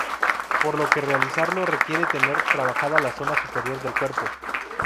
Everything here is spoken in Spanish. Por lo que realizarlo requiere tener trabajada la zona superior del cuerpo.